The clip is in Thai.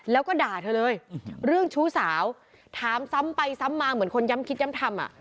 แล้วก็ด่าเธอเลยเรื่องชู้สาวถามซ้ำไปซ้ำมาเหมือนคนย้ำคิดย้ำทำอ่ะ